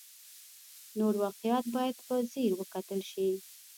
نور واقعیات باید په ځیر وکتل شي.